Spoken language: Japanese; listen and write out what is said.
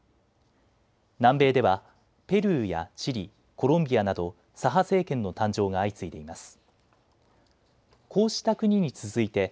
南米ではペルーやチリ、コロンビアなど左派政権の誕生が相次いでいます。